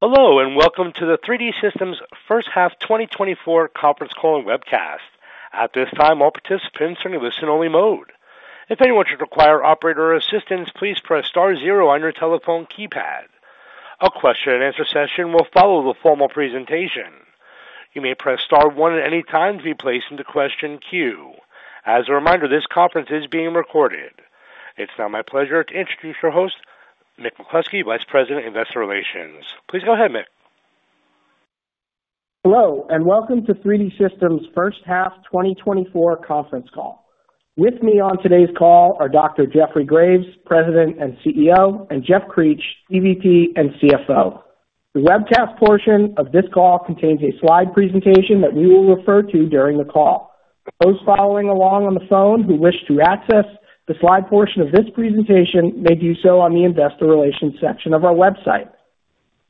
Hello, and welcome to the 3D Systems First Half 2024 conference call and webcast. At this time, all participants are in listen-only mode. If anyone should require operator assistance, please press star zero on your telephone keypad. A question and answer session will follow the formal presentation. You may press star one at any time to be placed into question queue. As a reminder, this conference is being recorded. It's now my pleasure to introduce your host, Mick McCluskey, Vice President, Investor Relations. Please go ahead, Mick. Hello, and welcome to 3D Systems' first half 2024 conference call. With me on today's call are Dr. Jeffrey Graves, President and CEO, and Jeff Creech, EVP and CFO. The webcast portion of this call contains a slide presentation that we will refer to during the call. Those following along on the phone who wish to access the slide portion of this presentation may do so on the Investor Relations section of our website.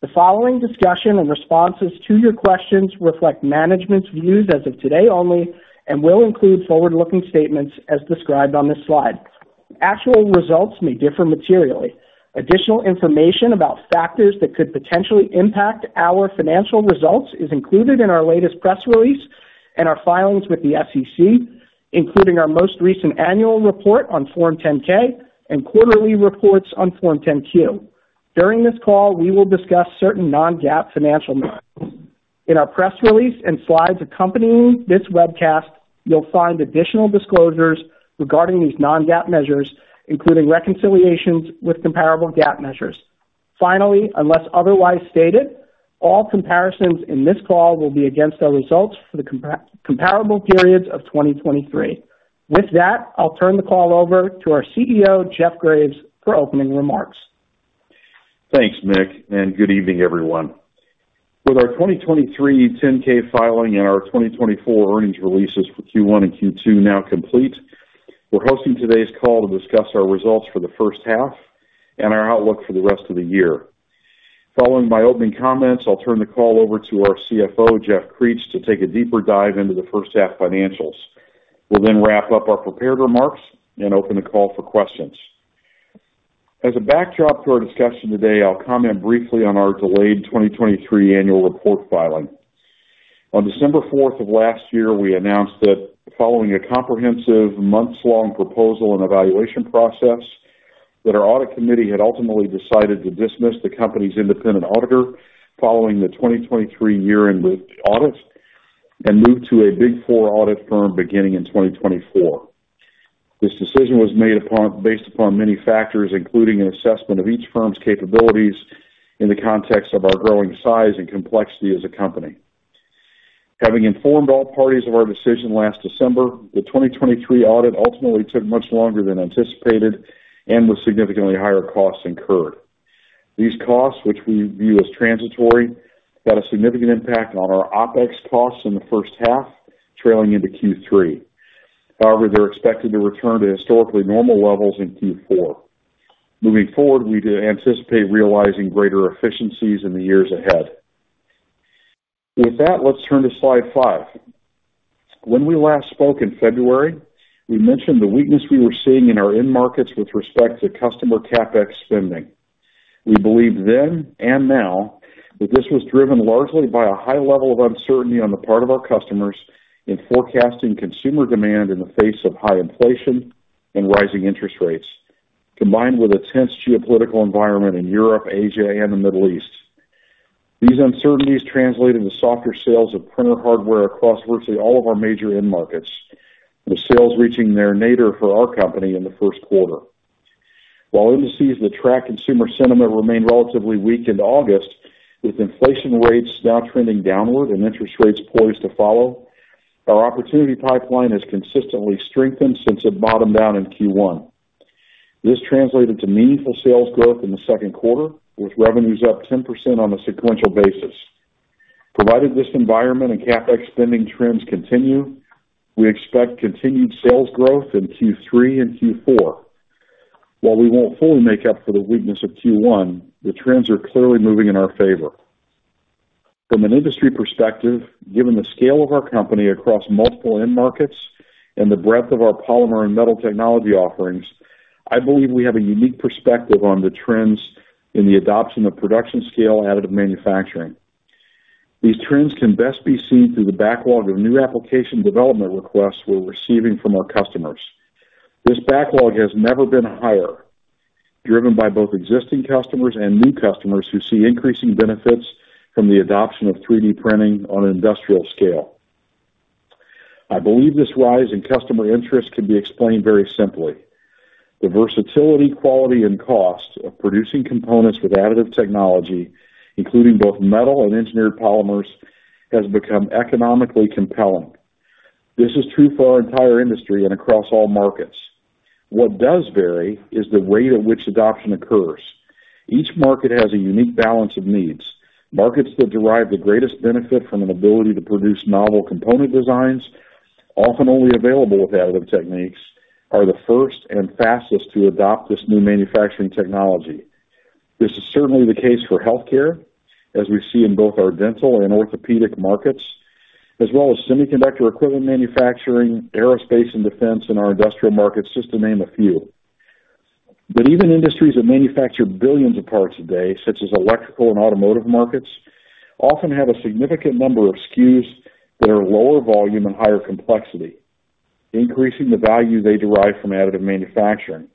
The following discussion and responses to your questions reflect management's views as of today only and will include forward-looking statements as described on this slide. Actual results may differ materially. Additional information about factors that could potentially impact our financial results is included in our latest press release and our filings with the SEC, including our most recent annual report on Form 10-K and quarterly reports on Form 10-Q. During this call, we will discuss certain non-GAAP financial measures. In our press release and slides accompanying this webcast, you'll find additional disclosures regarding these non-GAAP measures, including reconciliations with comparable GAAP measures. Finally, unless otherwise stated, all comparisons in this call will be against our results for the comparable periods of 2023. With that, I'll turn the call over to our CEO, Jeff Graves, for opening remarks. Thanks, Mick, and good evening, everyone. With our 2023 10-K filing and our 2024 earnings releases for Q1 and Q2 now complete, we're hosting today's call to discuss our results for the first half and our outlook for the rest of the year. Following my opening comments, I'll turn the call over to our CFO, Jeff Creech, to take a deeper dive into the first half financials. We'll then wrap up our prepared remarks and open the call for questions. As a backdrop to our discussion today, I'll comment briefly on our delayed 2023 annual report filing. On December fourth of last year, we announced that following a comprehensive months-long proposal and evaluation process, that our audit committee had ultimately decided to dismiss the company's independent auditor following the 2023 year-end audit and move to a Big Four audit firm beginning in 2024. This decision was made upon... Based upon many factors, including an assessment of each firm's capabilities in the context of our growing size and complexity as a company. Having informed all parties of our decision last December, the 2023 audit ultimately took much longer than anticipated and with significantly higher costs incurred. These costs, which we view as transitory, had a significant impact on our OpEx costs in the first half, trailing into Q3. However, they're expected to return to historically normal levels in Q4. Moving forward, we do anticipate realizing greater efficiencies in the years ahead. With that, let's turn to slide five. When we last spoke in February, we mentioned the weakness we were seeing in our end markets with respect to customer CapEx spending. We believed then and now, that this was driven largely by a high level of uncertainty on the part of our customers in forecasting consumer demand in the face of high inflation and rising interest rates, combined with a tense geopolitical environment in Europe, Asia, and the Middle East. These uncertainties translated to softer sales of printer hardware across virtually all of our major end markets, with sales reaching their nadir for our company in the first quarter. While indices that track consumer sentiment remained relatively weak into August, with inflation rates now trending downward and interest rates poised to follow, our opportunity pipeline has consistently strengthened since it bottomed down in Q1. This translated to meaningful sales growth in the second quarter, with revenues up 10% on a sequential basis. Provided this environment and CapEx spending trends continue, we expect continued sales growth in Q3 and Q4. While we won't fully make up for the weakness of Q1, the trends are clearly moving in our favor. From an industry perspective, given the scale of our company across multiple end markets and the breadth of our polymer and metal technology offerings, I believe we have a unique perspective on the trends in the adoption of production scale additive manufacturing. These trends can best be seen through the backlog of new application development requests we're receiving from our customers. This backlog has never been higher, driven by both existing customers and new customers, who see increasing benefits from the adoption of 3D printing on an industrial scale. I believe this rise in customer interest can be explained very simply. The versatility, quality, and cost of producing components with additive technology, including both metal and engineered polymers, has become economically compelling. This is true for our entire industry and across all markets. What does vary is the rate at which adoption occurs. Each market has a unique balance of needs. Markets that derive the greatest benefit from an ability to produce novel component designs, often only available with additive techniques, are the first and fastest to adopt this new manufacturing technology. This is certainly the case for healthcare, as we see in both our dental and orthopedic markets, as well as semiconductor equipment manufacturing, aerospace and defense in our industrial markets, just to name a few. But even industries that manufacture billions of parts a day, such as electrical and automotive markets, often have a significant number of SKUs that are lower volume and higher complexity, increasing the value they derive from additive manufacturing.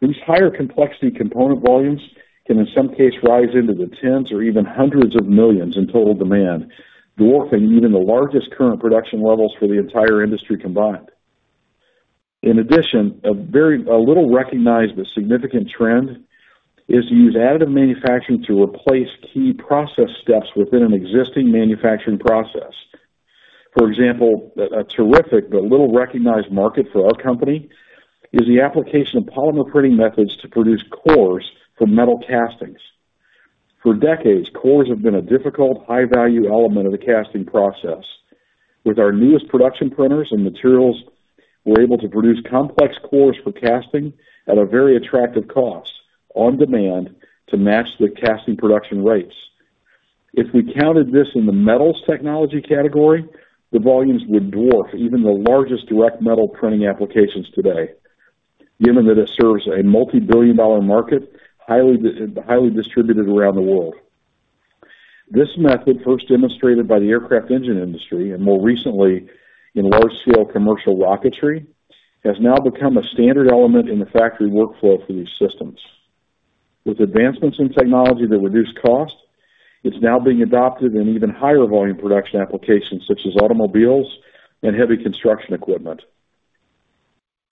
These higher complexity component volumes can, in some cases, rise into the tens or even hundreds of millions in total demand, dwarfing even the largest current production levels for the entire industry combined. In addition, a little recognized, but significant trend, is to use additive manufacturing to replace key process steps within an existing manufacturing process. For example, a terrific but little recognized market for our company is the application of polymer printing methods to produce cores for metal castings. For decades, cores have been a difficult, high-value element of the casting process. With our newest production printers and materials, we're able to produce complex cores for casting at a very attractive cost, on demand, to match the casting production rates. If we counted this in the metals technology category, the volumes would dwarf even the largest direct metal printing applications today, given that it serves a multi-billion-dollar market, highly distributed around the world. This method, first demonstrated by the aircraft engine industry and more recently in large-scale commercial rocketry, has now become a standard element in the factory workflow for these systems. With advancements in technology that reduce cost, it's now being adopted in even higher volume production applications such as automobiles and heavy construction equipment.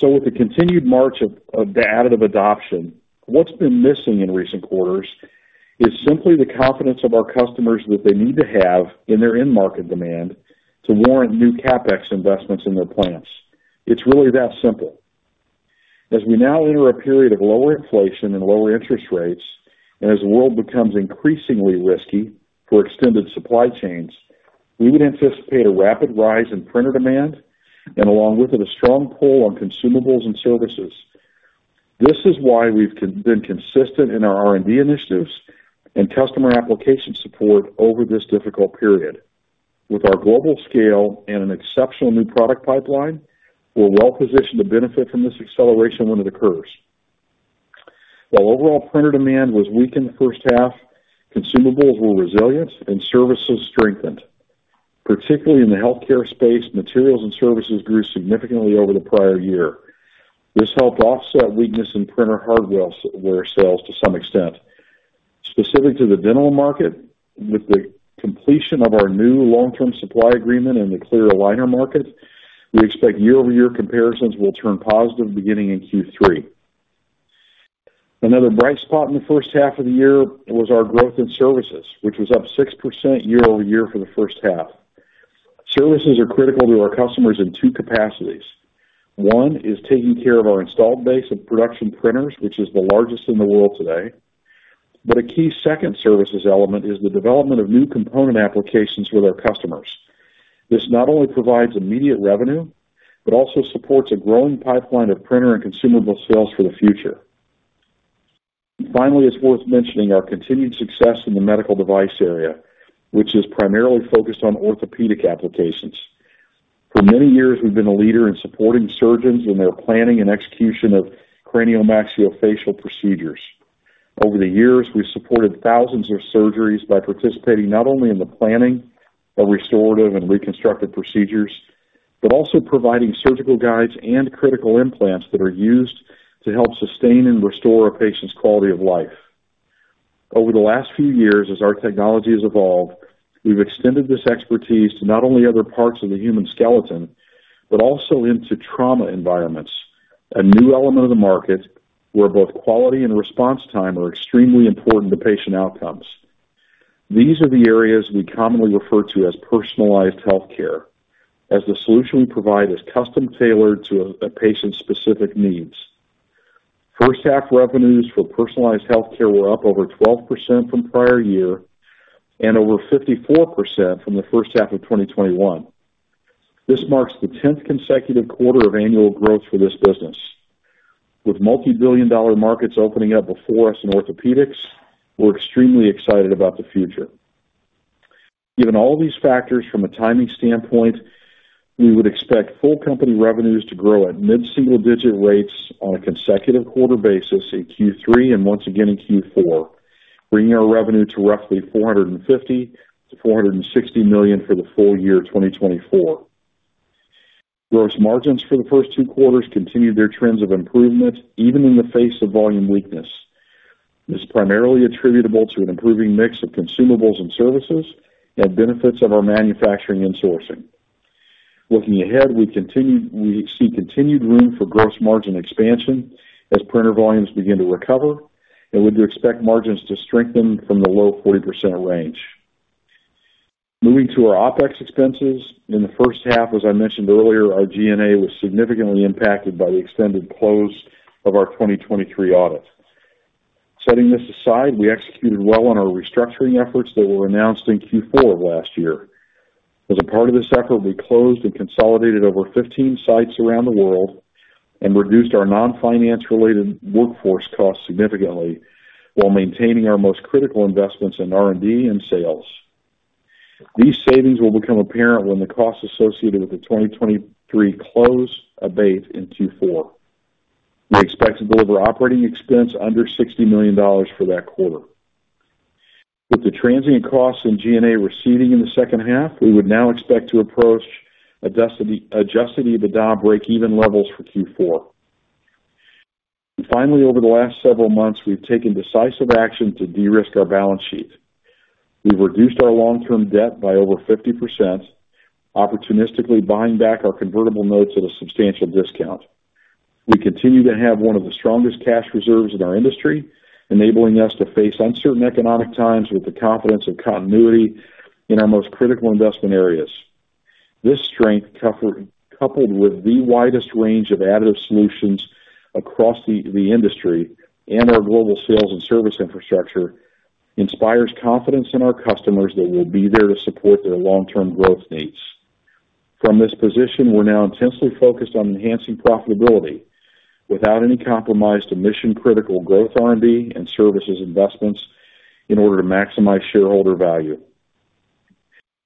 So with the continued march of the additive adoption, what's been missing in recent quarters is simply the confidence of our customers that they need to have in their end market demand to warrant new CapEx investments in their plants. It's really that simple. As we now enter a period of lower inflation and lower interest rates, and as the world becomes increasingly risky for extended supply chains, we would anticipate a rapid rise in printer demand, and along with it, a strong pull on consumables and services. This is why we've been consistent in our R&D initiatives and customer application support over this difficult period. With our global scale and an exceptional new product pipeline, we're well positioned to benefit from this acceleration when it occurs. While overall printer demand was weak in the first half, consumables were resilient and services strengthened. Particularly in the healthcare space, materials and services grew significantly over the prior year. This helped offset weakness in printer hardware/software sales to some extent. Specific to the dental market, with the completion of our new long-term supply agreement in the clear aligner market, we expect year-over-year comparisons will turn positive beginning in Q3. Another bright spot in the first half of the year was our growth in services, which was up 6% year over year for the first half. Services are critical to our customers in two capacities. One, is taking care of our installed base of production printers, which is the largest in the world today. But a key second services element is the development of new component applications with our customers. This not only provides immediate revenue, but also supports a growing pipeline of printer and consumable sales for the future. Finally, it's worth mentioning our continued success in the medical device area, which is primarily focused on orthopedic applications. For many years, we've been a leader in supporting surgeons in their planning and execution of craniomaxillofacial procedures. Over the years, we've supported thousands of surgeries by participating not only in the planning of restorative and reconstructive procedures, but also providing surgical guides and critical implants that are used to help sustain and restore a patient's quality of life. Over the last few years, as our technology has evolved, we've extended this expertise to not only other parts of the human skeleton, but also into trauma environments, a new element of the market, where both quality and response time are extremely important to patient outcomes. These are the areas we commonly refer to as personalized healthcare, as the solution we provide is custom-tailored to a patient's specific needs. First half revenues for personalized healthcare were up over 12% from prior year and over 54% from the first half of 2021. This marks the tenth consecutive quarter of annual growth for this business. With multi-billion-dollar markets opening up before us in orthopedics, we're extremely excited about the future. Given all these factors from a timing standpoint, we would expect full company revenues to grow at mid-single-digit rates on a consecutive quarter basis in Q3 and once again in Q4, bringing our revenue to roughly $450-460 million for the full year 2024. Gross margins for the first two quarters continued their trends of improvement, even in the face of volume weakness. This is primarily attributable to an improving mix of consumables and services and benefits of our manufacturing and sourcing. Looking ahead, we see continued room for gross margin expansion as printer volumes begin to recover, and we do expect margins to strengthen from the low 40% range. Moving to our OpEx expenses. In the first half, as I mentioned earlier, our G&A was significantly impacted by the extended close of our 2023 audit. Setting this aside, we executed well on our restructuring efforts that were announced in Q4 of last year. As a part of this effort, we closed and consolidated over 15 sites around the world, and reduced our non-finance related workforce costs significantly, while maintaining our most critical investments in R&D and sales. These savings will become apparent when the costs associated with the 2023 close abate in Q4. We expect to deliver operating expense under $60 million for that quarter. With the transient costs in G&A receding in the second half, we would now expect to approach adjusted EBITDA breakeven levels for Q4. And finally, over the last several months, we've taken decisive action to de-risk our balance sheet. We've reduced our long-term debt by over 50%, opportunistically buying back our convertible notes at a substantial discount. We continue to have one of the strongest cash reserves in our industry, enabling us to face uncertain economic times with the confidence of continuity in our most critical investment areas. This strength coupled with the widest range of additive solutions across the industry and our global sales and service infrastructure, inspires confidence in our customers that we'll be there to support their long-term growth needs. From this position, we're now intensely focused on enhancing profitability without any compromise to mission-critical growth, R&D, and services investments in order to maximize shareholder value.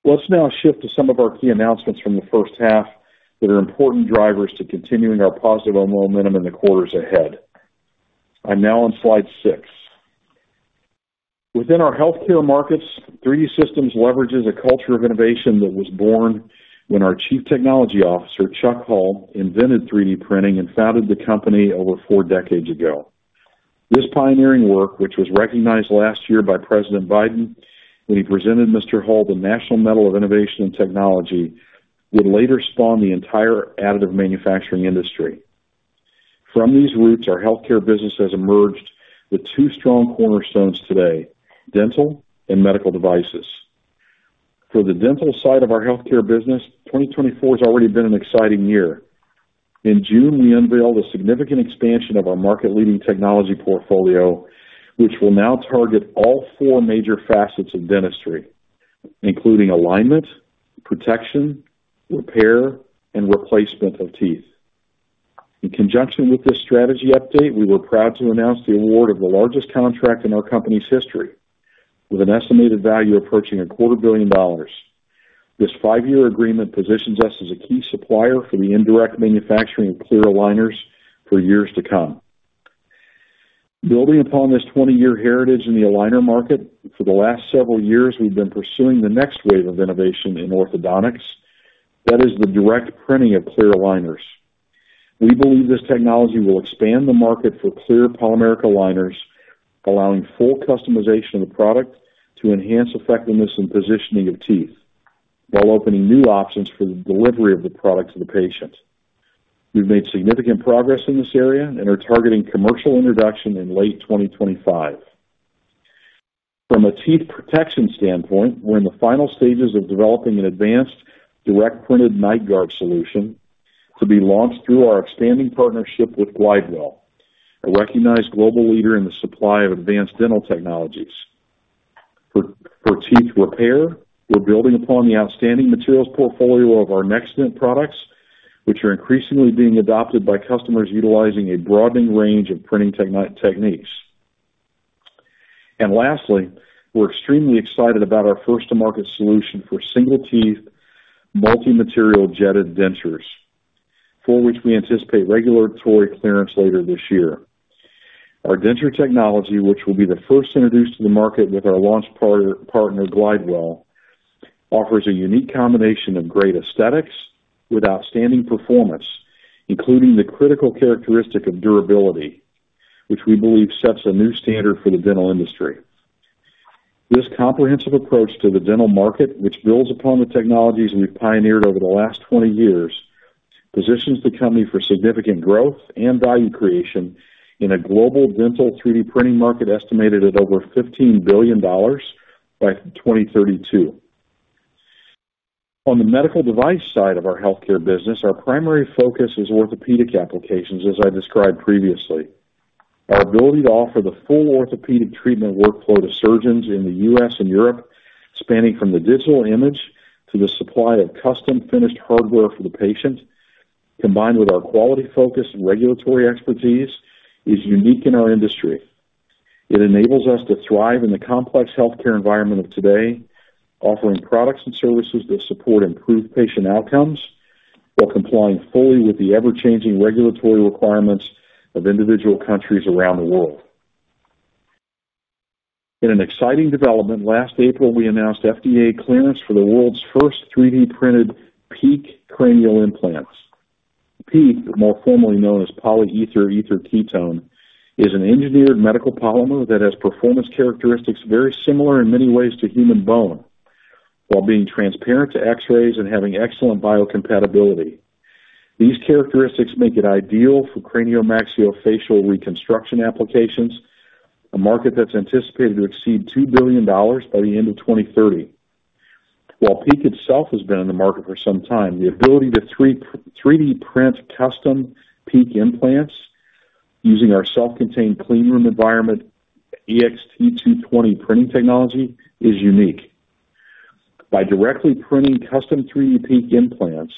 Let's now shift to some of our key announcements from the first half that are important drivers to continuing our positive momentum in the quarters ahead. I'm now on slide six. Within our healthcare markets, 3D Systems leverages a culture of innovation that was born when our Chief Technology Officer, Chuck Hull, invented 3D printing and founded the company over four decades ago. This pioneering work, which was recognized last year by President Biden when he presented Mr. Hull the National Medal of Innovation and Technology, would later spawn the entire additive manufacturing industry. From these roots, our healthcare business has emerged with two strong cornerstones today: dental and medical devices. For the dental side of our healthcare business, 2024 has already been an exciting year. In June, we unveiled a significant expansion of our market-leading technology portfolio, which will now target all four major facets of dentistry, including alignment, protection, repair, and replacement of teeth. In conjunction with this strategy update, we were proud to announce the award of the largest contract in our company's history, with an estimated value approaching $250 million. This five-year agreement positions us as a key supplier for the indirect manufacturing of clear aligners for years to come. Building upon this 20-year heritage in the aligner market, for the last several years, we've been pursuing the next wave of innovation in orthodontics. That is the direct printing of clear aligners. We believe this technology will expand the market for clear polymeric aligners, allowing full customization of the product to enhance effectiveness and positioning of teeth, while opening new options for the delivery of the product to the patient. We've made significant progress in this area and are targeting commercial introduction in late twenty twenty-five. From a teeth protection standpoint, we're in the final stages of developing an advanced direct printed night guard solution to be launched through our expanding partnership with Glidewell, a recognized global leader in the supply of advanced dental technologies. For teeth repair, we're building upon the outstanding materials portfolio of our NextDent products, which are increasingly being adopted by customers utilizing a broadening range of printing techniques. And lastly, we're extremely excited about our first-to-market solution for single teeth, multi-material jetted dentures, for which we anticipate regulatory clearance later this year. Our denture technology, which will be the first introduced to the market with our launch partner, Glidewell, offers a unique combination of great aesthetics with outstanding performance, including the critical characteristic of durability, which we believe sets a new standard for the dental industry. This comprehensive approach to the dental market, which builds upon the technologies we've pioneered over the last 20 years, positions the company for significant growth and value creation in a global dental 3D printing market, estimated at over $15 billion by 2032. On the medical device side of our healthcare business, our primary focus is orthopedic applications, as I described previously. Our ability to offer the full orthopedic treatment workflow to surgeons in the U.S. and Europe, spanning from the digital image to the supply of custom finished hardware for the patient, combined with our quality focus and regulatory expertise, is unique in our industry. It enables us to thrive in the complex healthcare environment of today, offering products and services that support improved patient outcomes while complying fully with the ever-changing regulatory requirements of individual countries around the world. In an exciting development, last April, we announced FDA clearance for the world's first 3D printed PEEK cranial implants. PEEK, more formally known as polyether ether ketone, is an engineered medical polymer that has performance characteristics very similar in many ways to human bone, while being transparent to X-rays and having excellent biocompatibility. These characteristics make it ideal for craniomaxillofacial reconstruction applications, a market that's anticipated to exceed $2 billion by the end of 2030. While PEEK itself has been on the market for some time, the ability to 3D print custom PEEK implants using our self-contained clean room environment, EXT 220 printing technology is unique. By directly printing custom 3D PEEK implants,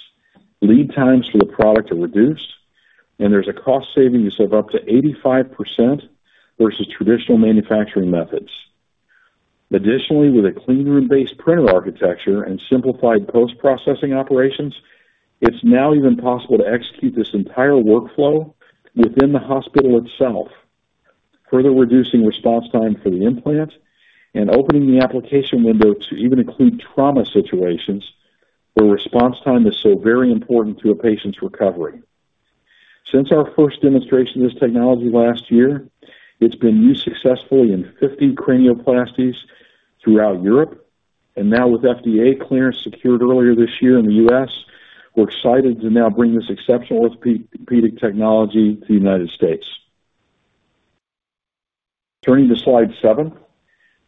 lead times for the product are reduced, and there's a cost savings of up to 85% versus traditional manufacturing methods. Additionally, with a clean room-based printer architecture and simplified post-processing operations, it's now even possible to execute this entire workflow within the hospital itself, further reducing response time for the implant and opening the application window to even include trauma situations, where response time is so very important to a patient's recovery. Since our first demonstration of this technology last year, it's been used successfully in fifty cranioplasties throughout Europe, and now with FDA clearance secured earlier this year in the U.S., we're excited to now bring this exceptional orthopedic technology to the United States. Turning to slide seven.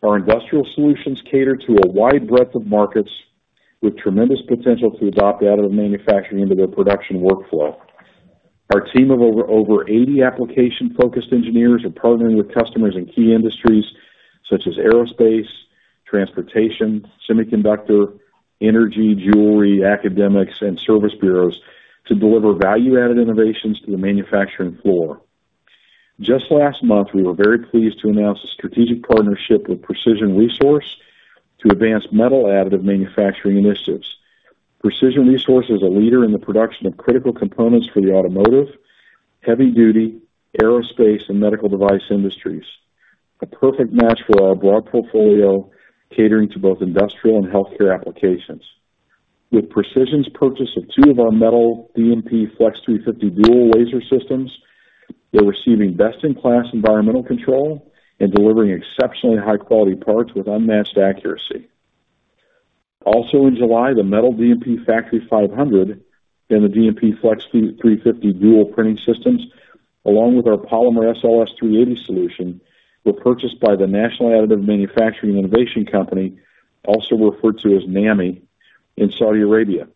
Our industrial solutions cater to a wide breadth of markets with tremendous potential to adopt additive manufacturing into their production workflow. Our team of over eighty application-focused engineers are partnering with customers in key industries such as aerospace, transportation, semiconductor, energy, jewelry, academics, and service bureaus to deliver value-added innovations to the manufacturing floor. Just last month, we were very pleased to announce a strategic partnership with Precision Resource to advance metal additive manufacturing initiatives. Precision Resource is a leader in the production of critical components for the automotive, heavy duty, aerospace, and medical device industries. A perfect match for our broad portfolio, catering to both industrial and healthcare applications. With Precision Resource's purchase of two of our metal DMP Flex 350 Dual laser systems, they're receiving best-in-class environmental control and delivering exceptionally high-quality parts with unmatched accuracy. Also, in July, the metal DMP Factory 500 and the DMP Flex 350 Dual printing systems, along with our polymer SLS 380 solution, were purchased by the National Additive Manufacturing Innovation Company, also referred to as NAMI, in Saudi Arabia.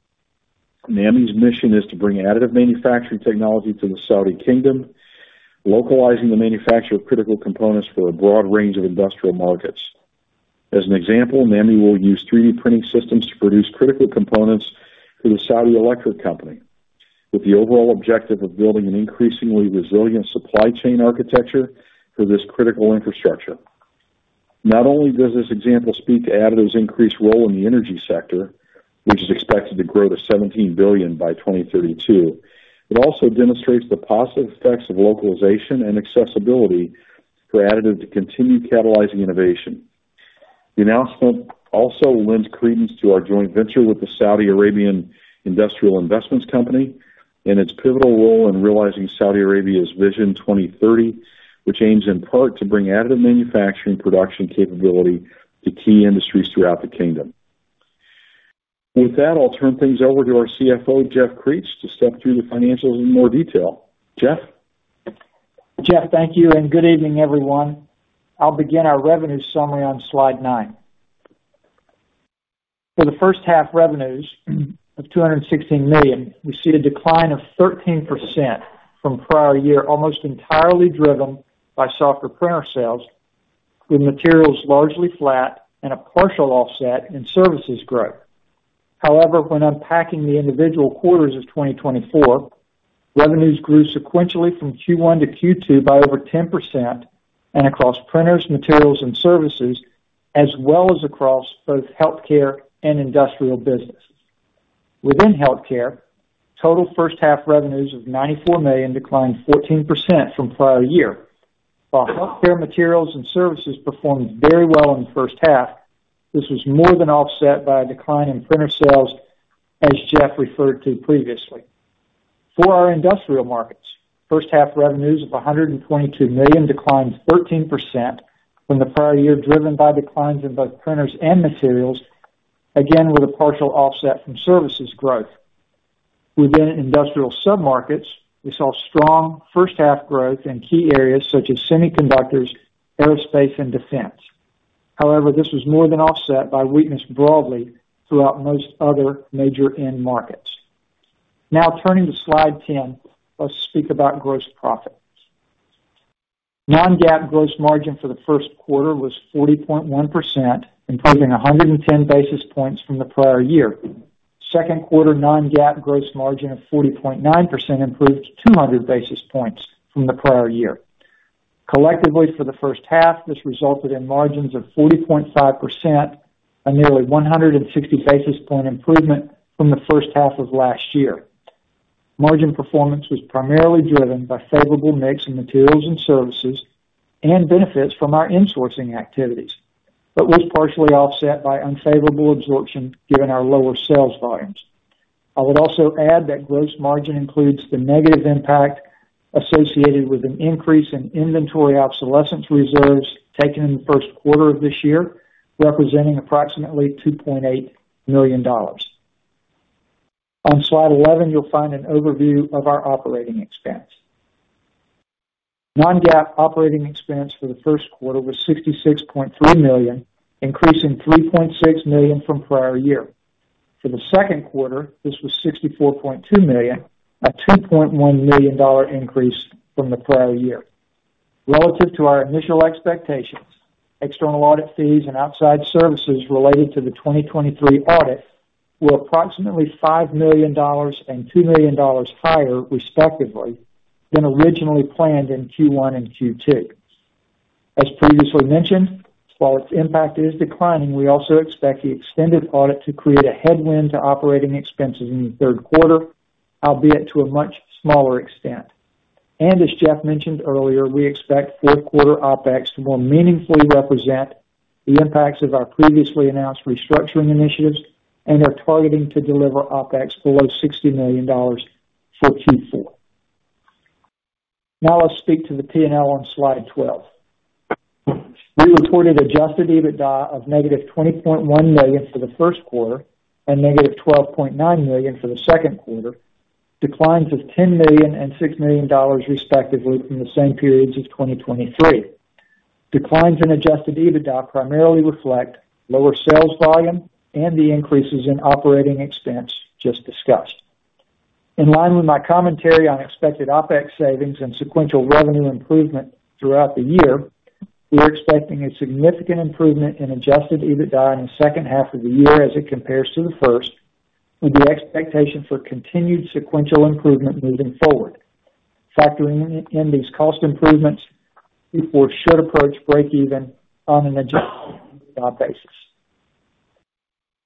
NAMI's mission is to bring additive manufacturing technology to the Saudi Kingdom, localizing the manufacture of critical components for a broad range of industrial markets. As an example, NAMI will use 3D printing systems to produce critical components for the Saudi Electricity Company, with the overall objective of building an increasingly resilient supply chain architecture for this critical infrastructure. Not only does this example speak to additive's increased role in the energy sector, which is expected to grow to $17 billion by 2032, it also demonstrates the positive effects of localization and accessibility for additive to continue catalyzing innovation. The announcement also lends credence to our joint venture with the Saudi Arabian Industrial Investments Company and its pivotal role in realizing Saudi Arabia's Vision 2030, which aims, in part, to bring additive manufacturing production capability to key industries throughout the kingdom. With that, I'll turn things over to our CFO, Jeff Creech, to step through the financials in more detail. Jeff? Jeff, thank you, and good evening, everyone. I'll begin our revenue summary on slide nine. For the first half revenues of $216 million, we see a decline of 13% from prior year, almost entirely driven by softer printer sales, with materials largely flat and a partial offset in services growth. However, when unpacking the individual quarters of 2024, revenues grew sequentially from Q1 to Q2 by over 10% and across printers, materials, and services, as well as across both healthcare and industrial businesses. Within healthcare, total first half revenues of $94 million declined 14% from prior year. While healthcare materials and services performed very well in the first half, this was more than offset by a decline in printer sales, as Jeff referred to previously. For our industrial markets, first half revenues of $122 million declined 13% from the prior year, driven by declines in both printers and materials, again, with a partial offset from services growth. Within industrial submarkets, we saw strong first half growth in key areas such as semiconductors, aerospace, and defense. However, this was more than offset by weakness broadly throughout most other major end markets. Now, turning to Slide 10, let's speak about gross profits. Non-GAAP gross margin for the first quarter was 40.1%, improving 110 basis points from the prior year. Second quarter non-GAAP gross margin of 40.9% improved 200 basis points from the prior year. Collectively, for the first half, this resulted in margins of 40.5%, a nearly 160 basis point improvement from the first half of last year. Margin performance was primarily driven by favorable mix of materials and services and benefits from our insourcing activities, but was partially offset by unfavorable absorption given our lower sales volumes. I would also add that gross margin includes the negative impact associated with an increase in inventory obsolescence reserves taken in the first quarter of this year, representing approximately $2.8 million. On Slide 11, you'll find an overview of our operating expense. Non-GAAP operating expense for the first quarter was $66.3 million, increasing $3.6 million from prior year. For the second quarter, this was $64.2 million, a $2.1 million increase from the prior year. Relative to our initial expectations, external audit fees and outside services related to the 2023 audit were approximately $5 million and $2 million higher, respectively, than originally planned in Q1 and Q2. As previously mentioned, while its impact is declining, we also expect the extended audit to create a headwind to operating expenses in the third quarter, albeit to a much smaller extent. And as Jeff mentioned earlier, we expect fourth quarter OpEx to more meaningfully represent the impacts of our previously announced restructuring initiatives and are targeting to deliver OpEx below $60 million for Q4. Now let's speak to the P&L on slide twelve. We reported adjusted EBITDA of -$20.1 million for the first quarter and -$12.9 million for the second quarter, declines of $10 million and $6 million, respectively, from the same periods as 2023. Declines in adjusted EBITDA primarily reflect lower sales volume and the increases in operating expense just discussed. In line with my commentary on expected OpEx savings and sequential revenue improvement throughout the year, we are expecting a significant improvement in adjusted EBITDA in the second half of the year as it compares to the first, with the expectation for continued sequential improvement moving forward. Factoring in these cost improvements, we should approach breakeven on an adjusted basis.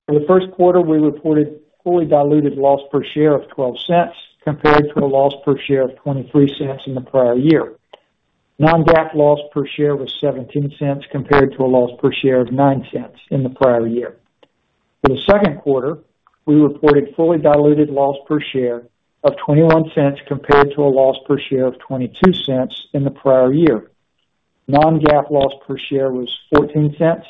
For the first quarter, we reported fully diluted loss per share of $0.12, compared to a loss per share of $0.23 in the prior year. Non-GAAP loss per share was $0.17, compared to a loss per share of $0.09 in the prior year. For the second quarter, we reported fully diluted loss per share of $0.21, compared to a loss per share of $0.22 in the prior year. Non-GAAP loss per share was $0.14,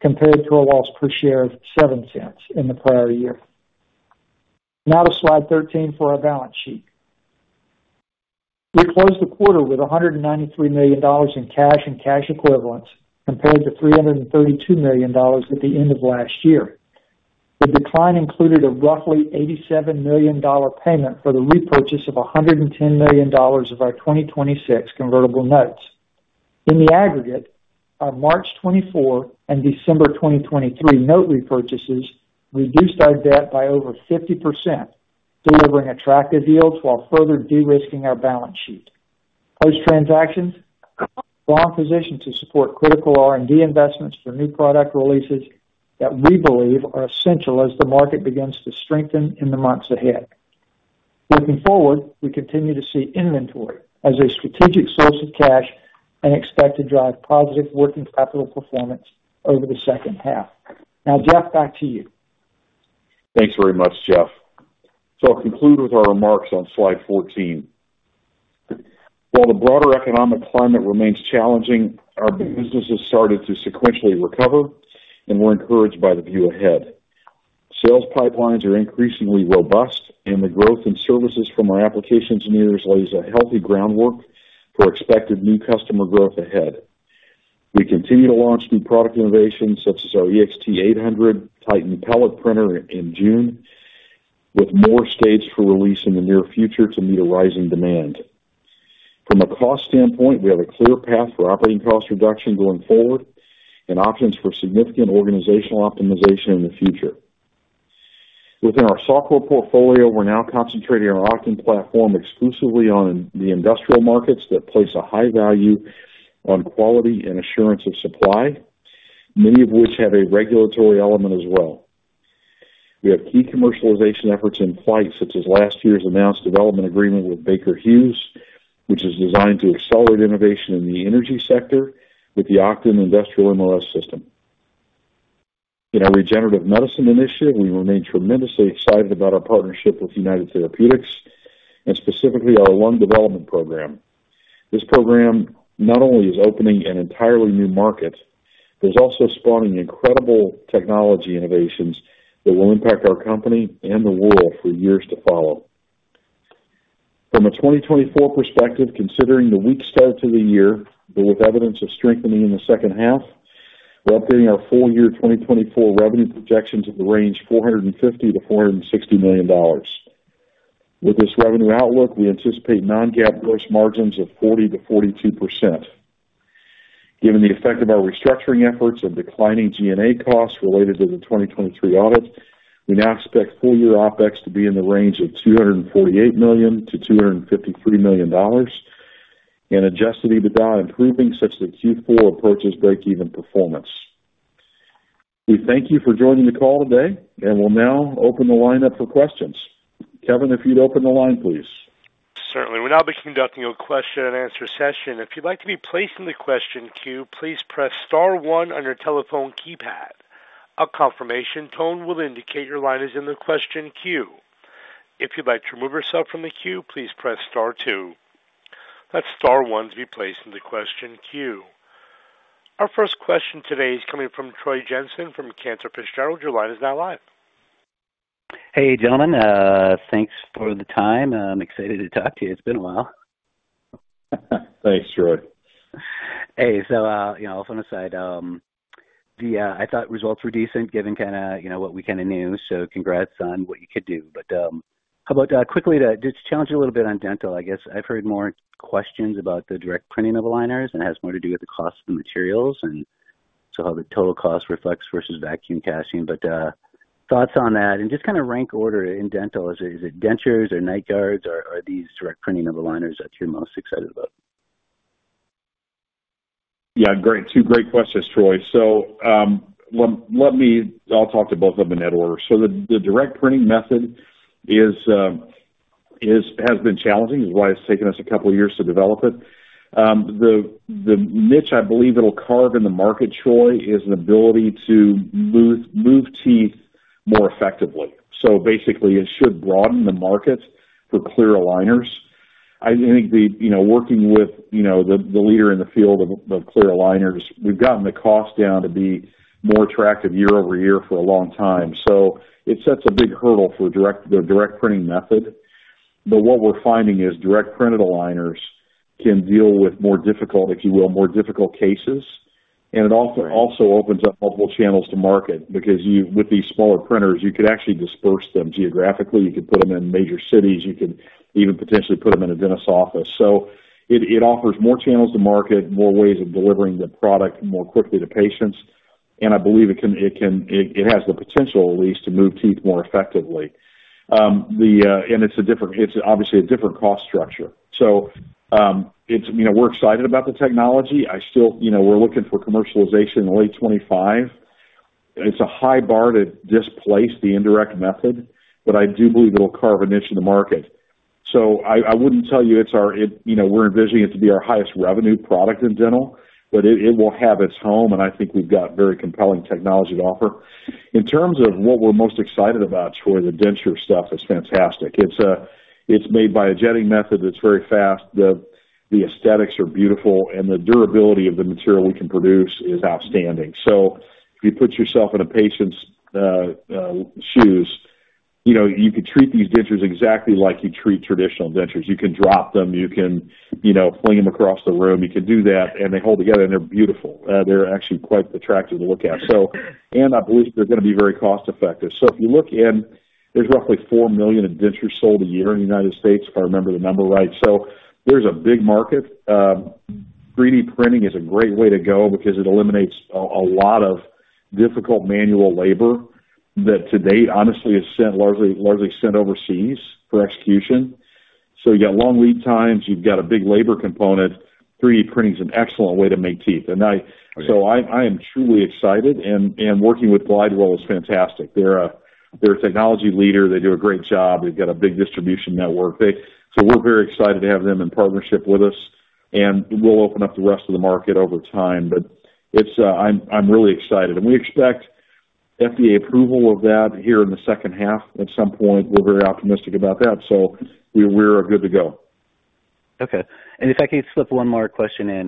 compared to a loss per share of $0.07 in the prior year. Now to slide 13 for our balance sheet. We closed the quarter with $193 million in cash and cash equivalents, compared to $332 million at the end of last year. The decline included a roughly $87 million payment for the repurchase of $110 million of our 2026 convertible notes. In the aggregate, our March 24 and December 2023 note repurchases reduced our debt by over 50%, delivering attractive yields while further de-risking our balance sheet. Post transactions, we're well positioned to support critical R&D investments for new product releases that we believe are essential as the market begins to strengthen in the months ahead. Looking forward, we continue to see inventory as a strategic source of cash and expect to drive positive working capital performance over the second half. Now, Jeff, back to you. Thanks very much, Jeff. I'll conclude with our remarks on slide 14. While the broader economic climate remains challenging, our business has started to sequentially recover, and we're encouraged by the view ahead. Sales pipelines are increasingly robust, and the growth in services from our application engineers lays a healthy groundwork for expected new customer growth ahead. We continue to launch new product innovations, such as our EXT 800 Titan pellet printer in June, with more staged for release in the near future to meet a rising demand. From a cost standpoint, we have a clear path for operating cost reduction going forward and options for significant organizational optimization in the future. Within our software portfolio, we're now concentrating our Oqton platform exclusively on the industrial markets that place a high value on quality and assurance of supply, many of which have a regulatory element as well. We have key commercialization efforts in flight, such as last year's announced development agreement with Baker Hughes, which is designed to accelerate innovation in the energy sector with the Oqton Industrial MOS platform. In our regenerative medicine initiative, we remain tremendously excited about our partnership with United Therapeutics, and specifically our lung development program. This program not only is opening an entirely new market, but it's also spawning incredible technology innovations that will impact our company and the world for years to follow. From a 2024 perspective, considering the weak start to the year, but with evidence of strengthening in the second half, we're updating our full year 2024 revenue projections to the range of $450 million-$460 million. With this revenue outlook, we anticipate non-GAAP gross margins of 40%-42%. Given the effect of our restructuring efforts and declining G&A costs related to the 2023 audit, we now expect full year OpEx to be in the range of $248 million-$253 million, and adjusted EBITDA improving such that Q4 approaches breakeven performance. We thank you for joining the call today, and we'll now open the line up for questions. Kevin, if you'd open the line, please. Certainly. We'll now be conducting a question-and-answer session. If you'd like to be placed in the question queue, please press star one on your telephone keypad. A confirmation tone will indicate your line is in the question queue. If you'd like to remove yourself from the queue, please press star two. That's star one to be placed in the question queue. Our first question today is coming from Troy Jensen from Cantor Fitzgerald. Your line is now live. Hey, gentlemen, thanks for the time. I'm excited to talk to you. It's been a while. Thanks, Troy. Hey, so, you know, all fun aside, I thought results were decent, given kinda, you know, what we kinda knew, so congrats on what you could do. But, how about, quickly to just challenge you a little bit on dental, I guess I've heard more questions about the direct printing of aligners, and it has more to do with the cost of the materials, and so how the total cost reflects versus vacuum casting, but, thoughts on that, and just kind of rank order in dental, is it, is it dentures or night guards, or are these direct printing of aligners that you're most excited about? Yeah, great. Two great questions, Troy. So, let me- I'll talk to both of them in that order. So the direct printing method is- has been challenging, is why it's taken us a couple years to develop it. The niche I believe it'll carve in the market, Troy, is an ability to move teeth more effectively. So basically, it should broaden the market for clear aligners. I think the, you know, working with, you know, the leader in the field of clear aligners, we've gotten the cost down to be more attractive year over year for a long time, so it sets a big hurdle for direct- the direct printing method. But what we're finding is direct printed aligners can deal with more difficult, if you will, more difficult cases, and it also- Right... also opens up multiple channels to market, because you, with these smaller printers, you could actually disperse them geographically. You could put them in major cities, you could even potentially put them in a dentist office. So it offers more channels to market, more ways of delivering the product more quickly to patients, and I believe it can, it has the potential at least to move teeth more effectively. And it's obviously a different cost structure. So, it's, you know, we're excited about the technology. I still, you know, we're looking for commercialization in late 2025. It's a high bar to displace the indirect method, but I do believe it'll carve a niche in the market. So I wouldn't tell you it's our, you know, we're envisioning it to be our highest revenue product in dental, but it will have its home, and I think we've got very compelling technology to offer. In terms of what we're most excited about, Troy, the denture stuff is fantastic. It's made by a jetting method that's very fast, the aesthetics are beautiful, and the durability of the material we can produce is outstanding. So if you put yourself in a patient's shoes, you know, you could treat these dentures exactly like you treat traditional dentures. You can drop them, you can, you know, fling them across the room, you can do that, and they hold together, and they're beautiful. They're actually quite attractive to look at. So and I believe they're gonna be very cost effective. So if you look in, there's roughly four million dentures sold a year in the United States, if I remember the number, right, so there's a big market. 3D printing is a great way to go, because it eliminates a lot of difficult manual labor, that to date, honestly, is sent largely overseas for execution. So you got long lead times, you've got a big labor component, 3D printing is an excellent way to make teeth, and I- Right. So I am truly excited, and working with Glidewell is fantastic. They're a technology leader, they do a great job, they've got a big distribution network. So we're very excited to have them in partnership with us, and we'll open up the rest of the market over time, but it's, I'm really excited. And we expect FDA approval of that here in the second half, at some point. We're very optimistic about that, so we're good to go. Okay, and if I could slip one more question in,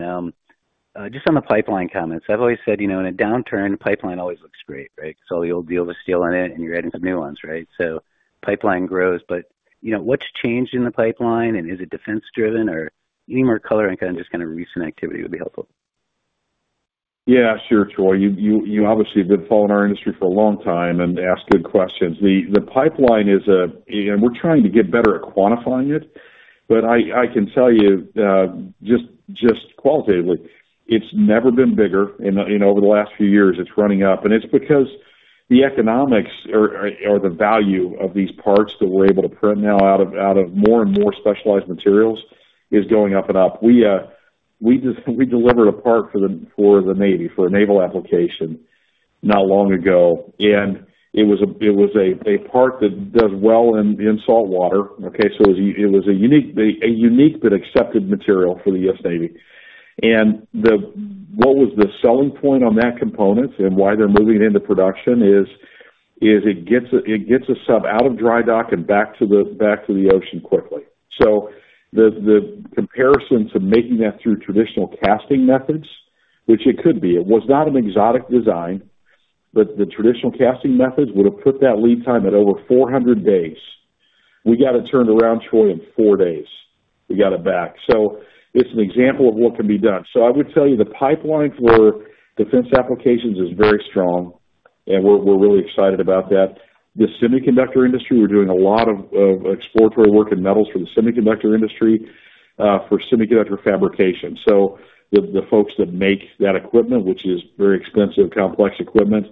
just on the pipeline comments. I've always said, you know, in a downturn, pipeline always looks great, right? So you'll delay the deals on it, and you're adding some new ones, right? So pipeline grows, but, you know, what's changed in the pipeline, and is it defense driven or any more color and kind of just recent activity would be helpful. Yeah, sure, Troy. You obviously have been following our industry for a long time and ask good questions. The pipeline is, and we're trying to get better at quantifying it, but I can tell you, just qualitatively, it's never been bigger. And over the last few years, it's running up, and it's because the economics or the value of these parts that we're able to print now out of more and more specialized materials, is going up and up. We just delivered a part for the Navy, for a naval application not long ago, and it was a part that does well in saltwater, okay? So it was a unique but accepted material for the U.S. Navy. What was the selling point on that component, and why they're moving into production is it gets a sub out of dry dock and back to the ocean quickly. So the comparison to making that through traditional casting methods, which it could be, it was not an exotic design, but the traditional casting methods would have put that lead time at over 400 days. We got it turned around, Troy, in four days. We got it back. So it's an example of what can be done. So I would tell you, the pipeline for defense applications is very strong, and we're really excited about that. The semiconductor industry, we're doing a lot of exploratory work in metals for the semiconductor industry for semiconductor fabrication. So the folks that make that equipment, which is very expensive, complex equipment,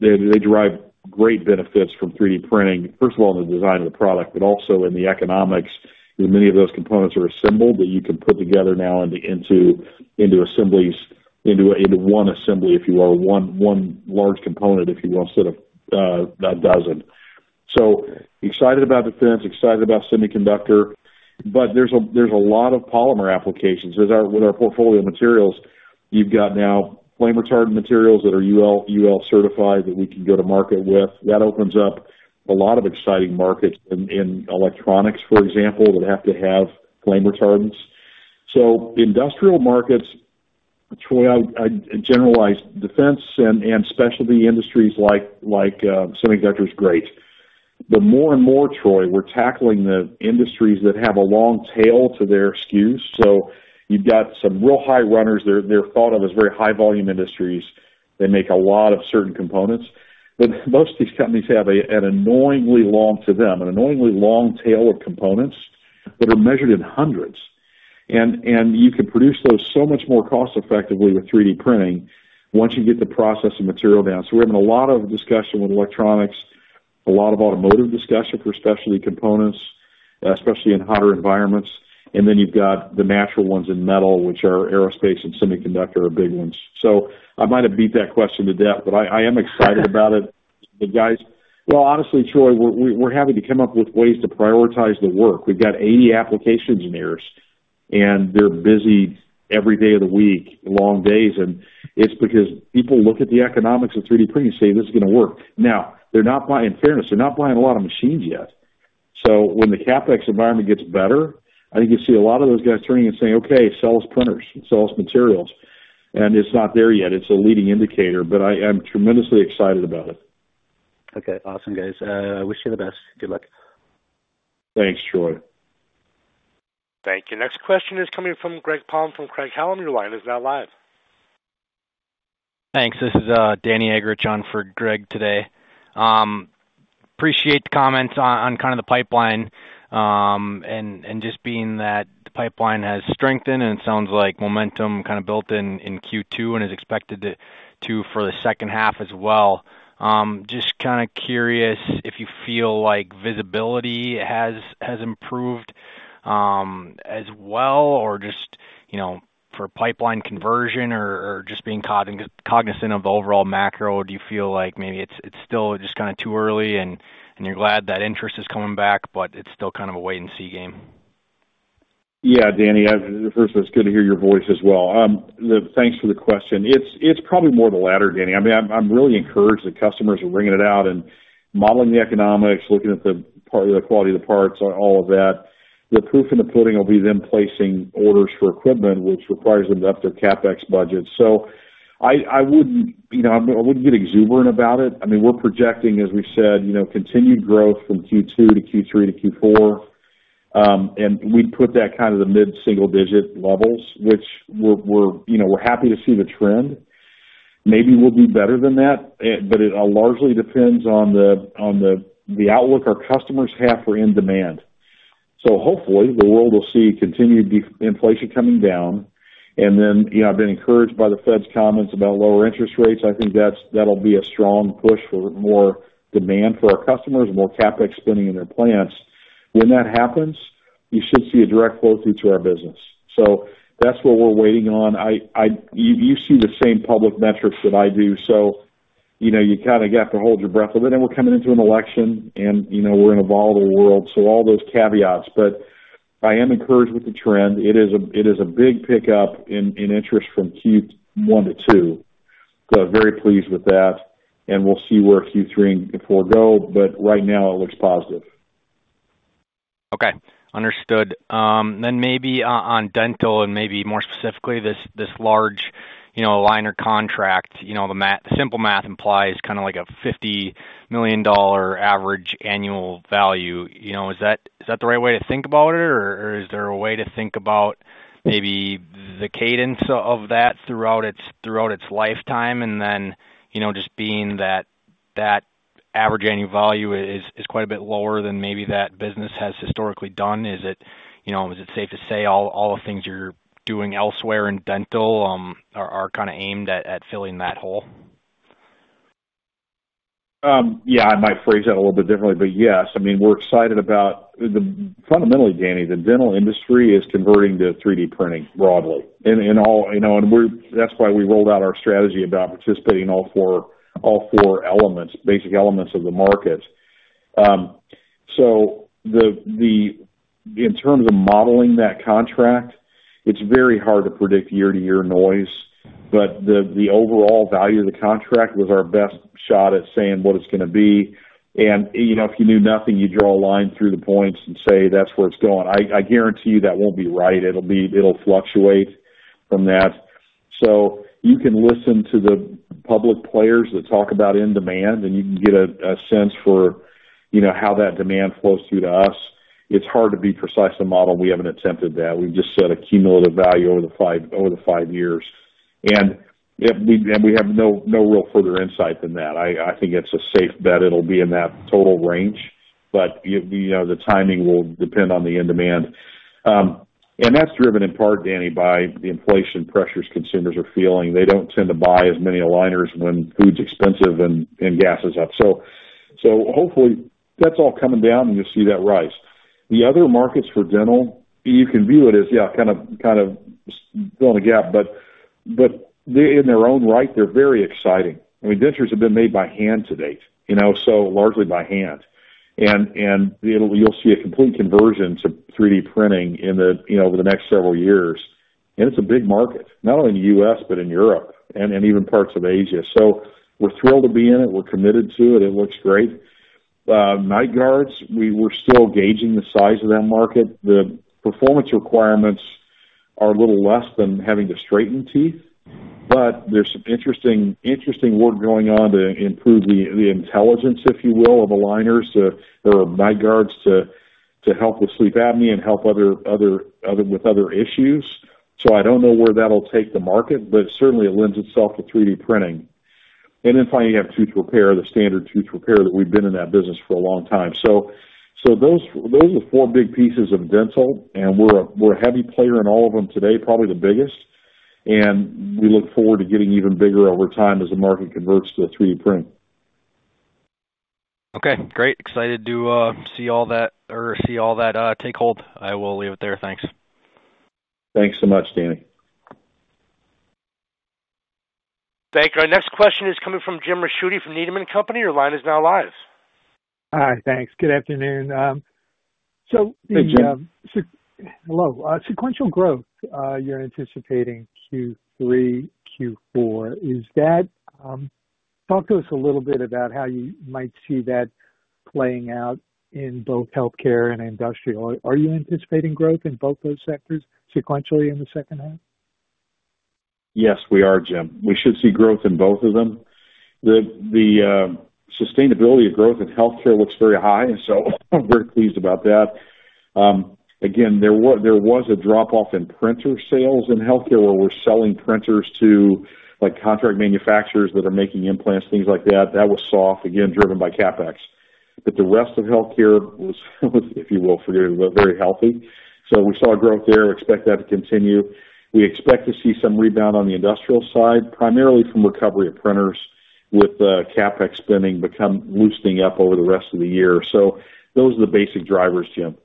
they derive great benefits from 3D printing. First of all, in the design of the product, but also in the economics. Many of those components are assembled, that you can put together now into assemblies, into one assembly, if you will, one large component, if you will, instead of a dozen. Excited about defense, excited about semiconductor, but there's a lot of polymer applications. With our portfolio of materials, you've got now flame retardant materials that are UL certified, that we can go to market with. That opens up a lot of exciting markets in electronics, for example, that have to have flame retardants. Industrial markets, Troy, I generalize defense and specialty industries, like semiconductor is great.... But more and more, Troy, we're tackling the industries that have a long tail to their SKUs. So you've got some real high runners. They're thought of as very high volume industries. They make a lot of certain components, but most of these companies have a, an annoyingly long, to them, an annoyingly long tail of components that are measured in hundreds. And you can produce those so much more cost effectively with 3D printing once you get the process and material down. So we're having a lot of discussion with electronics, a lot of automotive discussion for specialty components, especially in hotter environments. And then you've got the natural ones in metal, which are aerospace and semiconductor are big ones. So I might have beat that question to death, but I am excited about it. But guys, well, honestly, Troy, we're having to come up with ways to prioritize the work. We've got 80 application engineers, and they're busy every day of the week, long days, and it's because people look at the economics of 3D printing and say, "This is gonna work." Now, they're not buying, in fairness, they're not buying a lot of machines yet. So when the CapEx environment gets better, I think you see a lot of those guys turning and saying, "Okay, sell us printers, and sell us materials." And it's not there yet. It's a leading indicator, but I am tremendously excited about it. Okay. Awesome, guys. Wish you the best. Good luck. Thanks, Troy. Thank you. Next question is coming from Greg Palm from Craig-Hallum. Your line is now live. Thanks. This is Danny Eggerichs on for Greg today. I appreciate the comments on kind of the pipeline, and just being that the pipeline has strengthened, and it sounds like momentum kind of built in Q2 and is expected to for the second half as well. Just kind of curious if you feel like visibility has improved as well, or just, you know, for pipeline conversion or just being cognizant of the overall macro? Do you feel like maybe it's still just kinda too early, and you're glad that interest is coming back, but it's still kind of a wait-and-see game? Yeah, Danny. First of all, it's good to hear your voice as well. Thanks for the question. It's, it's probably more the latter, Danny. I mean, I'm, I'm really encouraged that customers are wringing it out and modeling the economics, looking at the part, the quality of the parts, all of that. The proof in the pudding will be them placing orders for equipment, which requires them to up their CapEx budget. So I, I wouldn't, you know, I wouldn't get exuberant about it. I mean, we're projecting, as we said, you know, continued growth from Q2 to Q3 to Q4. And we'd put that kind of the mid-single digit levels, which we're, we're, you know, we're happy to see the trend. Maybe we'll do better than that, but it largely depends on the, on the, the outlook our customers have for end demand. So hopefully, the world will see continued deflation coming down, and then, you know, I've been encouraged by the Fed's comments about lower interest rates. I think that's, that'll be a strong push for more demand for our customers, more CapEx spending in their plants. When that happens, you should see a direct flow through to our business. So that's what we're waiting on. I, you see the same public metrics that I do, so, you know, you kind of have to hold your breath a little. And we're coming into an election, and, you know, we're in a volatile world, so all those caveats, but I am encouraged with the trend. It is a big pickup in interest from Q1 to Q2. So very pleased with that, and we'll see where Q3 and Q4 go, but right now it looks positive. Okay, understood. Then maybe on dental and maybe more specifically, this, this large, you know, aligner contract, you know, the simple math implies kind of like a $50 million average annual value, you know, is that, is that the right way to think about it, or, or is there a way to think about maybe the cadence of, of that throughout its, throughout its lifetime, and then, you know, just being that average annual value is, is quite a bit lower than maybe that business has historically done? Is it, you know, is it safe to say all, all the things you're doing elsewhere in dental, are, are kind of aimed at, at filling that hole? Yeah, I might phrase that a little bit differently, but yes. I mean, we're excited about the... Fundamentally, Danny, the dental industry is converting to 3D printing broadly and all, you know, and we're. That's why we rolled out our strategy about participating in all four basic elements of the market. So the in terms of modeling that contract, it's very hard to predict year-to-year noise, but the overall value of the contract was our best shot at saying what it's gonna be. And, you know, if you knew nothing, you'd draw a line through the points and say, "That's where it's going." I guarantee you that won't be right. It'll be. It'll fluctuate from that. So you can listen to the public players that talk about end demand, and you can get a sense for, you know, how that demand flows through to us. It's hard to be precise to model, and we haven't attempted that. We've just set a cumulative value over the five years, and we have no real further insight than that. I think it's a safe bet it'll be in that total range, but you know, the timing will depend on the end demand. And that's driven in part, Danny, by the inflation pressures consumers are feeling. They don't tend to buy as many aligners when food's expensive and gas is up. So hopefully that's all coming down, and you'll see that rise. The other markets for dental, you can view it as, yeah, kind of, kind of filling a gap, but, but they, in their own right, they're very exciting. I mean, dentures have been made by hand to date, you know, so largely by hand. And you'll see a complete conversion to 3D printing in the, you know, over the next several years. It's a big market, not only in the U.S., but in Europe and, and even parts of Asia. So we're thrilled to be in it. We're committed to it. It looks great. Night guards, we're still gauging the size of that market. The performance requirements are a little less than having to straighten teeth, but there's some interesting work going on to improve the intelligence, if you will, of aligners. There are night guards to help with sleep apnea and help with other issues. So I don't know where that'll take the market, but certainly it lends itself to 3D printing. And then finally, you have tooth repair, the standard tooth repair, that we've been in that business for a long time. So those are the four big pieces of dental, and we're a heavy player in all of them today, probably the biggest. And we look forward to getting even bigger over time as the market converts to a 3D print. Okay, great! Excited to see all that take hold. I will leave it there. Thanks. Thanks so much, Danny. Thank you. Our next question is coming from Jim Ricchiuti from Needham & Company. Your line is now live. Hi. Thanks. Good afternoon. So the- Hey, Jim. Hello. Sequential growth, you're anticipating Q3, Q4. Is that... Talk to us a little bit about how you might see that playing out in both healthcare and industrial. Are you anticipating growth in both those sectors sequentially in the second half? Yes, we are, Jim. We should see growth in both of them. The sustainability of growth in healthcare looks very high, so we're very pleased about that. Again, there was a drop-off in printer sales in healthcare, where we're selling printers to, like, contract manufacturers that are making implants, things like that. That was soft, again, driven by CapEx. But the rest of healthcare was, if you will, very, very healthy. So we saw a growth there, expect that to continue. We expect to see some rebound on the industrial side, primarily from recovery of printers, with the CapEx spending loosening up over the rest of the year. So those are the basic drivers, Jim.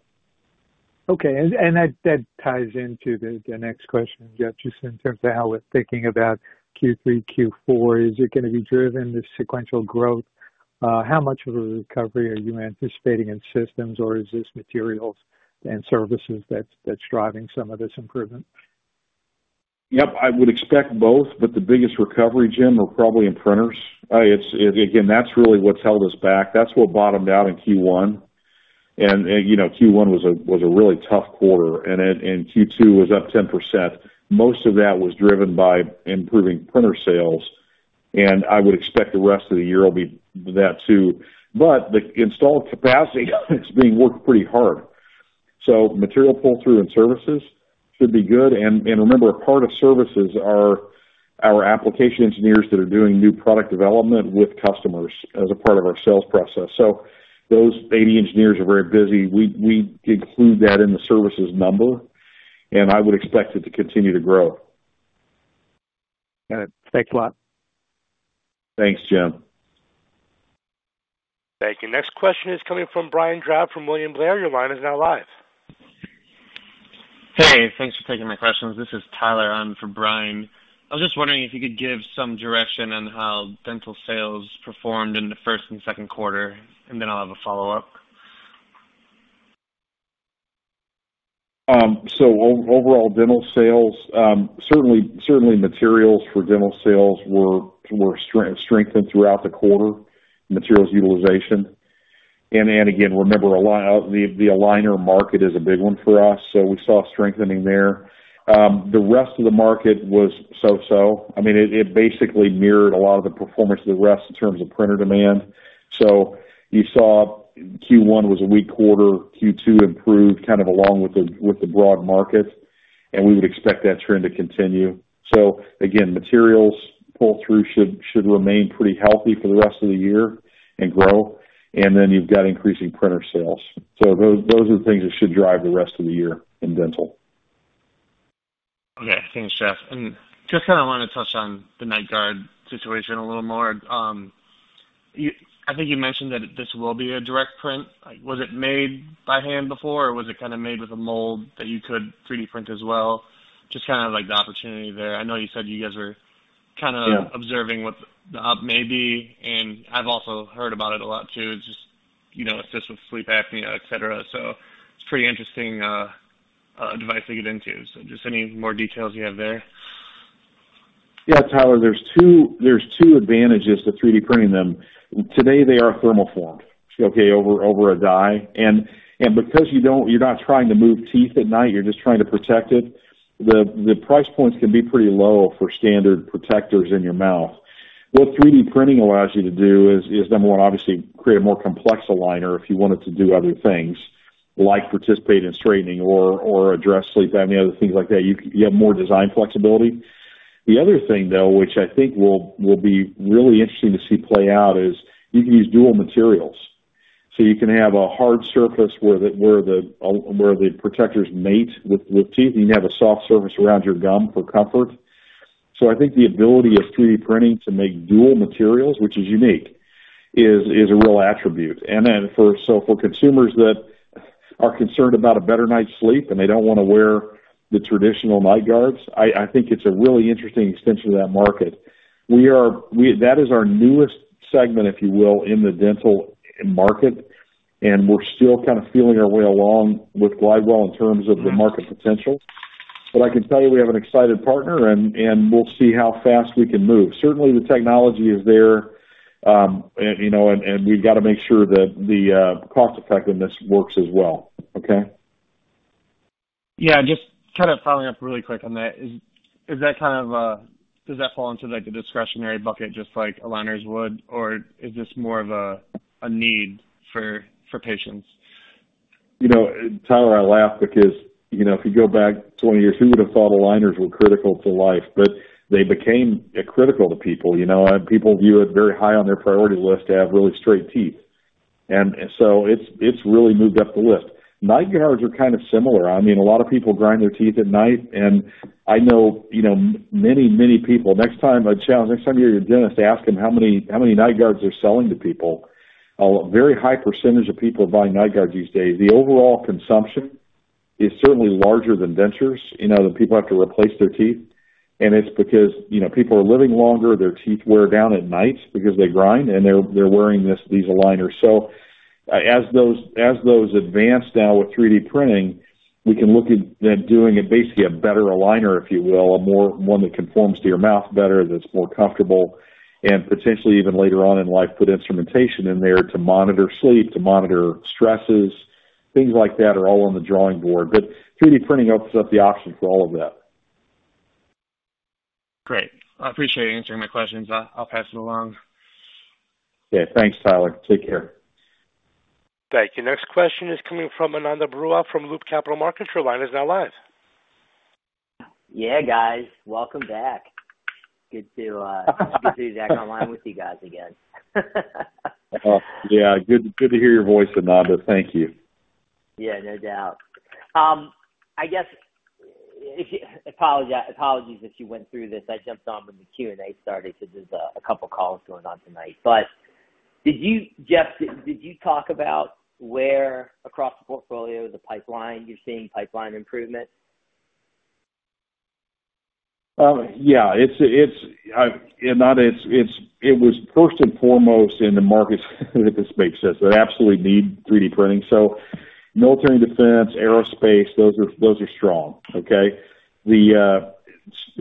Okay. And that ties into the next question, Jeff, just in terms of how we're thinking about Q3, Q4, is it gonna be driven, the sequential growth? How much of a recovery are you anticipating in systems, or is this materials and services that's driving some of this improvement? Yep, I would expect both, but the biggest recovery, Jim, are probably in printers. It's again, that's really what's held us back. That's what bottomed out in Q1. And you know, Q1 was a really tough quarter, and then Q2 was up 10%. Most of that was driven by improving printer sales, and I would expect the rest of the year will be that, too. But the installed capacity is being worked pretty hard, so material pull-through and services should be good. And remember, a part of services are our application engineers that are doing new product development with customers as a part of our sales process. So those AM engineers are very busy. We include that in the services number, and I would expect it to continue to grow. Got it. Thanks a lot. Thanks, Jim. Thank you. Next question is coming from Brian Drab from William Blair. Your line is now live. Hey, thanks for taking my questions. This is Tyler in for Brian. I was just wondering if you could give some direction on how dental sales performed in the first and second quarter, and then I'll have a follow-up. So overall, dental sales certainly materials for dental sales were strengthened throughout the quarter, materials utilization. And again, remember, the aligner market is a big one for us, so we saw a strengthening there. The rest of the market was so-so. I mean, it basically mirrored a lot of the performance of the rest in terms of printer demand. So you saw Q1 was a weak quarter. Q2 improved, kind of along with the broad market, and we would expect that trend to continue. So again, materials pull-through should remain pretty healthy for the rest of the year and grow, and then you've got increasing printer sales. So those are the things that should drive the rest of the year in dental. Okay, thanks, Jeff, and just kind of wanted to touch on the night guard situation a little more. You... I think you mentioned that this will be a direct print. Like, was it made by hand before, or was it kind of made with a mold that you could 3D print as well? Just kind of like, the opportunity there. I know you said you guys are kind of- Yeah observing what the op may be, and I've also heard about it a lot, too. It's just, you know, assists with sleep apnea, et cetera, so it's pretty interesting, device to get into. So just any more details you have there? Yeah, Tyler, there's two advantages to 3D printing them. Today, they are thermoformed, okay, over a die, and because you don't, you're not trying to move teeth at night, you're just trying to protect it, the price points can be pretty low for standard protectors in your mouth. What 3D printing allows you to do is number one, obviously create a more complex aligner if you want it to do other things, like participate in straightening or address sleep apnea, other things like that. You have more design flexibility. The other thing, though, which I think will be really interesting to see play out, is you can use dual materials. So you can have a hard surface where the protectors mate with teeth, and you can have a soft surface around your gum for comfort. So I think the ability of 3D printing to make dual materials, which is unique, is a real attribute. And then for consumers that are concerned about a better night's sleep, and they don't want to wear the traditional night guards, I think it's a really interesting extension of that market. That is our newest segment, if you will, in the dental market, and we're still kind of feeling our way along with Glidewell in terms of the market potential. But I can tell you, we have an excited partner, and we'll see how fast we can move. Certainly, the technology is there... You know, we've got to make sure that the cost effectiveness works as well, okay? Yeah. Just kind of following up really quick on that. Does that fall into, like, the discretionary bucket, just like aligners would, or is this more of a need for patients? You know, Tyler, I laugh because, you know, if you go back twenty years, who would have thought aligners were critical to life? But they became critical to people, you know, and people view it very high on their priority list to have really straight teeth. And so it's really moved up the list. Night guards are kind of similar. I mean, a lot of people grind their teeth at night, and I know, you know, many, many people. Next time, I challenge, next time you're at your dentist, ask them how many, how many night guards they're selling to people. A very high percentage of people are buying night guards these days. The overall consumption is certainly larger than dentures, you know, that people have to replace their teeth, and it's because, you know, people are living longer, their teeth wear down at night because they grind, and they're wearing this, these aligners. So as those advance now with 3D printing, we can look at then doing basically a better aligner, if you will, a more-one that conforms to your mouth better, that's more comfortable, and potentially even later on in life, put instrumentation in there to monitor sleep, to monitor stresses. Things like that are all on the drawing board, but 3D printing opens up the option for all of that. Great. I appreciate you answering my questions. I'll pass it along. Yeah, thanks, Tyler. Take care. Thank you. Next question is coming from Ananda Baruah from Loop Capital Markets, your line is now live. Yeah, guys, welcome back. Good to be back online with you guys again. Yeah, good, good to hear your voice, Ananda. Thank you. Yeah, no doubt. I guess, apologies if you went through this. I jumped on when the Q&A started because there's a couple calls going on tonight. But did you, Jeff, did you talk about where across the portfolio, the pipeline, you're seeing pipeline improvement? Yeah. And Ananda, it was first and foremost in the markets, if this makes sense, that absolutely need 3D printing. So military and defense, aerospace, those are strong, okay? The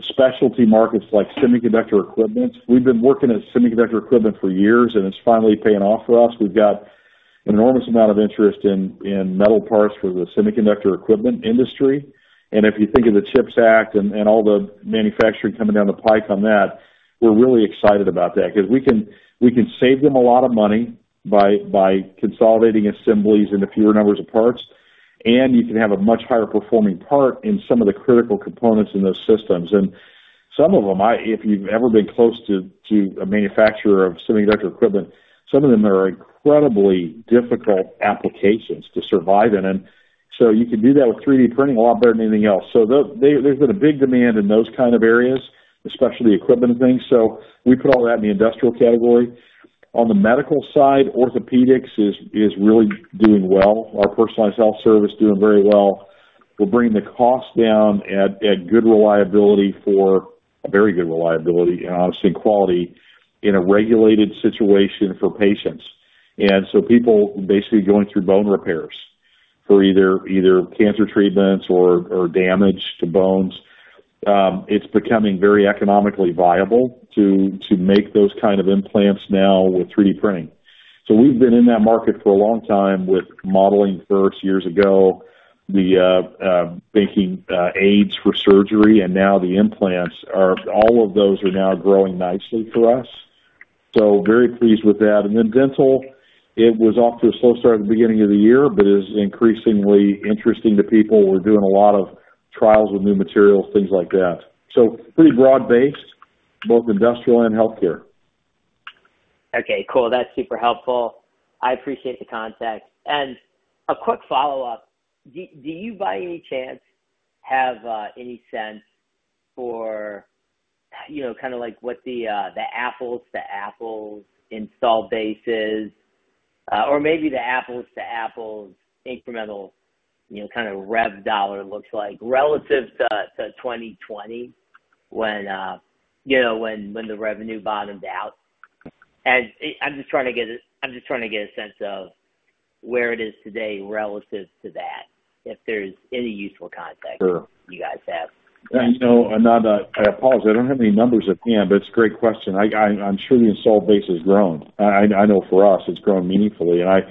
specialty markets like semiconductor equipment. We've been working at semiconductor equipment for years, and it's finally paying off for us. We've got an enormous amount of interest in metal parts for the semiconductor equipment industry. And if you think of the CHIPS Act and all the manufacturing coming down the pike on that, we're really excited about that because we can save them a lot of money by consolidating assemblies into fewer numbers of parts, and you can have a much higher performing part in some of the critical components in those systems. And some of them, if you've ever been close to a manufacturer of semiconductor equipment, some of them are incredibly difficult applications to survive in. And so you can do that with 3D printing a lot better than anything else. So there's been a big demand in those kind of areas, especially equipment and things, so we put all that in the industrial category. On the medical side, orthopedics is really doing well. Our personalized healthcare service is doing very well. We're bringing the cost down at good reliability for a very good reliability and, obviously, quality in a regulated situation for patients. And so people basically going through bone repairs for either cancer treatments or damage to bones, it's becoming very economically viable to make those kind of implants now with 3D printing. So we've been in that market for a long time with modeling first, years ago, the making aids for surgery, and now the implants are... All of those are now growing nicely for us, so very pleased with that. And then dental, it was off to a slow start at the beginning of the year, but is increasingly interesting to people. We're doing a lot of trials with new materials, things like that. So pretty broad-based, both industrial and healthcare. Okay, cool. That's super helpful. I appreciate the context. And a quick follow-up: Do you, by any chance, have any sense for, you know, kind of like, what the apples to apples install base is, or maybe the apples to apples incremental, you know, kind of rev dollar looks like relative to twenty twenty when, you know, when the revenue bottomed out? I'm just trying to get a sense of where it is today relative to that, if there's any useful context- Sure. - you guys have. You know, Ananda, I apologize. I don't have any numbers at hand, but it's a great question. I'm sure the install base has grown. I know for us, it's grown meaningfully, and I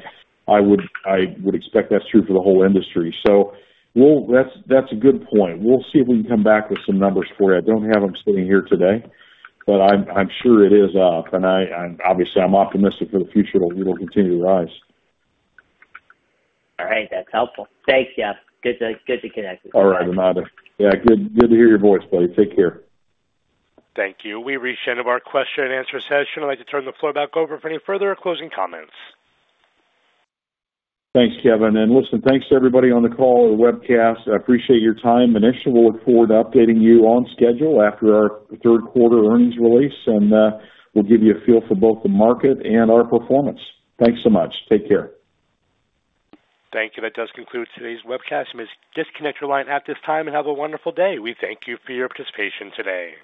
would expect that's true for the whole industry. So we'll... That's a good point. We'll see if we can come back with some numbers for you. I don't have them sitting here today, but I'm sure it is up, and I'm obviously optimistic for the future that it will continue to rise. All right. That's helpful. Thank you. Good to connect with you. All right, Ananda. Yeah, good, good to hear your voice, buddy. Take care. Thank you. We've reached the end of our question and answer session. I'd like to turn the floor back over for any further closing comments. Thanks, Kevin, and listen, thanks to everybody on the call or the webcast. I appreciate your time. Initially, we'll look forward to updating you on schedule after our third quarter earnings release, and we'll give you a feel for both the market and our performance. Thanks so much. Take care. Thank you. That does conclude today's webcast. You may disconnect your line at this time and have a wonderful day. We thank you for your participation today.